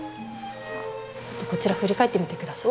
ちょっとこちら振り返ってみて下さい。